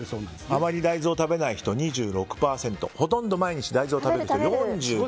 あまり大豆を食べない人は２６％ほとんど毎日大豆を食べる人４９％